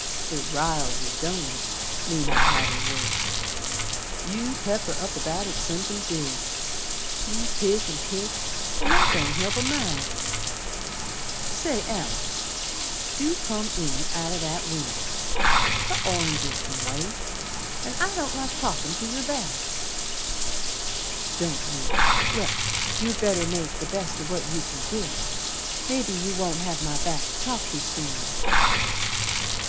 "It riles yer, don't it, me not havin' work. You pepper up about it somethin' good. You pick an' pick, and that don't help a mite. Say, Alice, do come in out o' that winder. Th' oranges c'n wait, An' I don't like talkin' to yer back." "Don't you! Well, you'd better make the best o' what you can git. Maybe you won't have my back to talk to soon.